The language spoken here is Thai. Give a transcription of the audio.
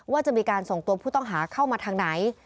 ว่าจะมีการส่งตัวผู้ต้องหาเข้ามาทางไหน